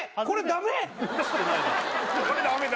これダメ？